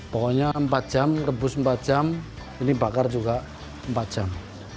pokoknya empat jam rebus empat jam ini bakar juga empat jam